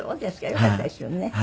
よかったですよね。